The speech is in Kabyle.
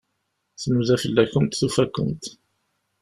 Tnuda fell-akent, tufa-kent.